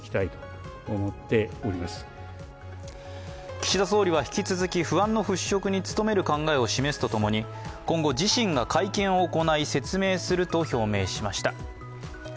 岸田総理は引き続き不安の払拭に努める考えを示すとともに、今後、自身が会見を行い説明すると表明しました。